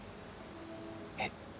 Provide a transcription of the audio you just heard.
えっ？